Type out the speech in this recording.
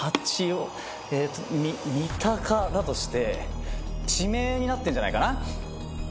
えっと三鷹だとして地名になってんじゃないかな？